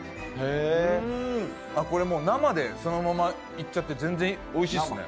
これもう、生でそのままいっちゃって全然おいしいですね。